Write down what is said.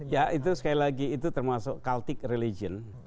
ya itu sekali lagi itu termasuk cultic religion